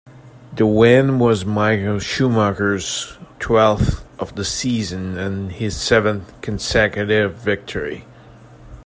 The win was Michael Schumacher's twelfth of the season and his seventh consecutive victory.